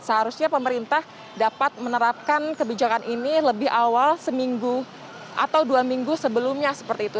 seharusnya pemerintah dapat menerapkan kebijakan ini lebih awal seminggu atau dua minggu sebelumnya seperti itu